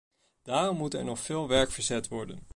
Daarom moet er nog veel werk verzet worden.